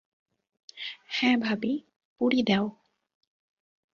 হ্যাঁ ভাবি, পুরি দেও।